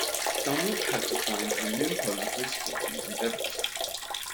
Dunlop had to find a new home for his sporting endeavours.